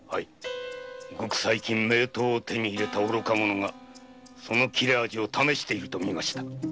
最近名刀を手に入れた愚か者が切れ味を試していると見ました。